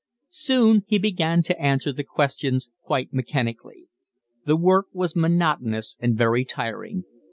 Soon he began to answer the questions quite mechanically. The work was monotonous and very tiring.